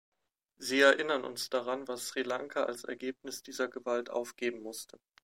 Sie erinnern uns daran, was Sri Lanka als Ergebnis dieser Gewalt aufgeben musste.